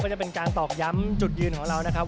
จะเป็นการตอกย้ำจุดยืนของเรานะครับ